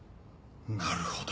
なるほど。